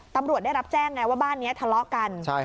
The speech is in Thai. ตำรวจได้รับแจ้งไงว่าบ้านนี้ทะเลาะกัน